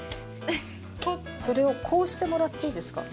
それをこうしてもらっていいですか？